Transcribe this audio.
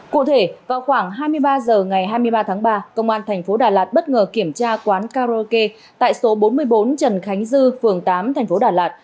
cụ thể vào khoảng hai mươi ba h ngày hai mươi ba tháng ba công an thành phố đà lạt bất ngờ kiểm tra quán karaoke tại số bốn mươi bốn trần khánh dư phường tám tp đà lạt